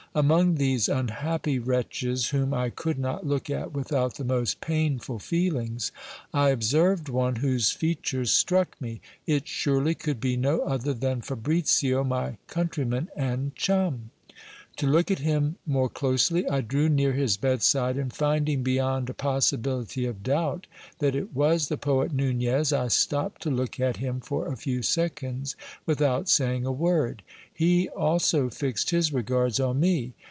Among these unhappy wretches, whom I GIL BIAS MEETS WITH FABRIC 10. 407 could not look at without the most painful feelings, I observed one whose fea tures struck me : it surely could be no other than Fabricio, my countryman and chum ! To look at him more closely, I drew near his bedside, and finding be yond a possibility of doubt that it was the poet Nunez, I stopped to look at him for a few seconds without saying a word. He also fixed his regards on me.